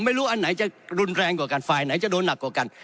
อันนั้นจะรุนแรงกว่ากันฝ่ายไหนจะโดนหนักกว่ากัน